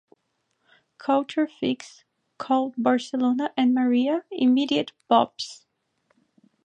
Culture Fix called Barcelona and Maria ""immediate bops"".